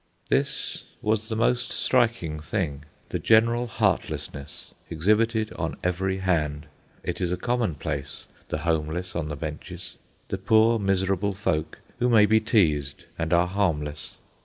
This was the most striking thing, the general heartlessness exhibited on every hand. It is a commonplace, the homeless on the benches, the poor miserable folk who may be teased and are harmless.